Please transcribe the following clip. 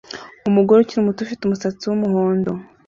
Umugore ukiri muto ufite umusatsi wumuhondo